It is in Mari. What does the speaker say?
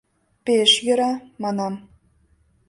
— Пеш йӧра, — манам.